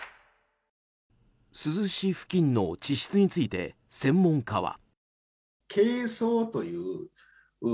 珠洲市付近の地質について専門家は。